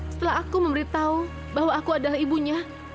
setelah aku memberitahu bahwa aku adalah ibunya